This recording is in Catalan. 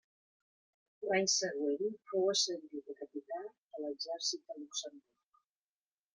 L'any següent fou ascendit a capità de l'Exèrcit de Luxemburg.